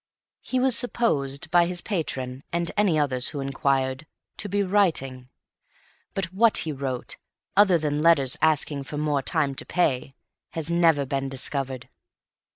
He was supposed, by his patron and any others who inquired, to be "writing"; but what he wrote, other than letters asking for more time to pay, has never been discovered.